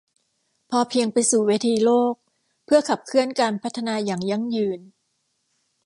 พอเพียงไปสู่เวทีโลกเพื่อขับเคลื่อนการพัฒนาอย่างยั่งยืน